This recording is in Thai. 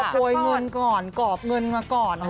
โกยเงินก่อนกรอบเงินมาก่อน